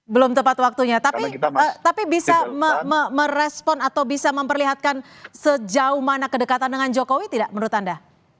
belum tepat waktunya tapi bisa merespon atau bisa memperlihatkan sejauh mana kedekatan dengan jokowi tidak menurut anda